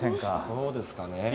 そうですかねえ？